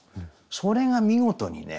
それが見事にね